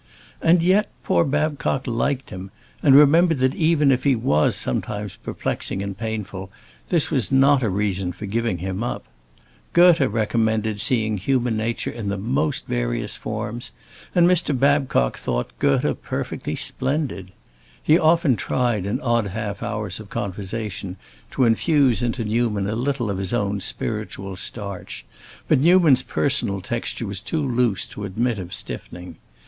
And yet poor Babcock liked him, and remembered that even if he was sometimes perplexing and painful, this was not a reason for giving him up. Goethe recommended seeing human nature in the most various forms, and Mr. Babcock thought Goethe perfectly splendid. He often tried, in odd half hours of conversation to infuse into Newman a little of his own spiritual starch, but Newman's personal texture was too loose to admit of stiffening.